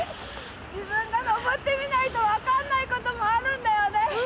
自分が登ってみないと分かんないこともあるんだよね！